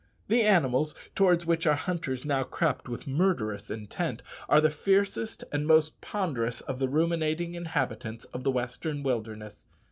The animals, towards which our hunters now crept with murderous intent, are the fiercest and the most ponderous of the ruminating inhabitants of the western wilderness.